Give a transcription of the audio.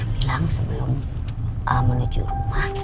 bilang sebelum menuju rumah